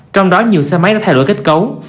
trong đó nhiều xe máy đã thay đổi kết cấu